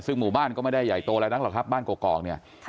ซึ่งหมู่บ้านก็ไม่ได้ใหญ่โตอะไรนักหรอกครับบ้านกอกเนี่ย